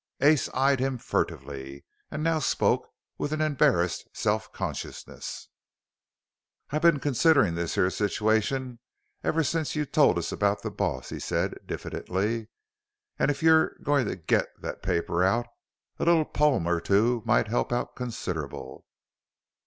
Ace eyed him furtively and now spoke with an embarrassed self consciousness. "I've been considerin' this here situation ever since you told us about the boss," he said diffidently, "an' if you're goin' to get that paper out, a little poem or two might help out considerable."